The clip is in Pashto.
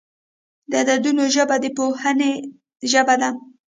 د عددونو ژبه د پوهې ژبه ده.